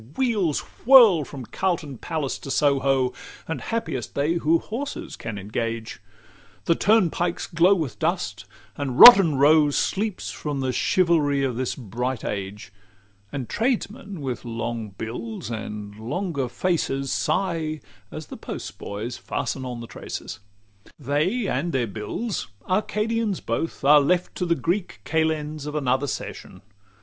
Wheels whirl from Carlton palace to Soho, And happiest they who horses can engage; The turnpikes glow with dust; and Rotten Row Sleeps from the chivalry of this bright age; And tradesmen, with long bills and longer faces, Sigh as the postboys fasten on the traces. XLV They and their bills, "Arcadians both," are left To the Greek kalends of another session.